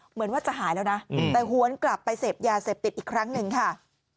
เหมือนว่าจะหายแล้วนะแต่หวนกลับไปเสพยาเสพติดอีกครั้งหนึ่งค่ะ